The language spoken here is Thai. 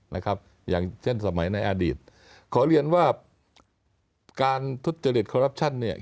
นะครับอย่างเช่นสมัยในอดีตขอเรียนว่าการทุจริตคอรัปชั่นเนี่ย